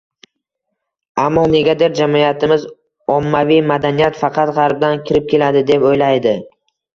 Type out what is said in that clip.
Ammo negadir jamiyatimiz ommaviy madaniyat faqat g`arbdan kirib keladi, deb o`ylaydi